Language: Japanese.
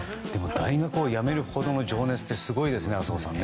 大学を辞めるほどの情熱ってすごいですね浅尾さん。